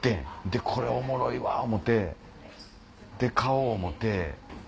でこれおもろいわ思うて買おう思うて。